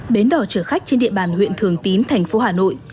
bến đỏ chở khách trên địa bàn huyện thường tín thành phố hà nội